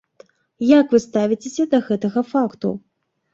Як вы ставіцеся да гэтага факту?